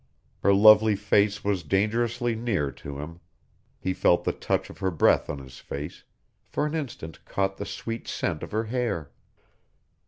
Her lovely face was dangerously near to him. He felt the touch of her breath on his face, for an instant caught the sweet scent of her hair.